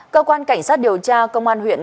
cơ quan cảnh sát điều tra công an huyện